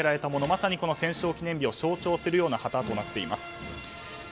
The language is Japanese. まさに戦勝記念日を象徴する旗となっています。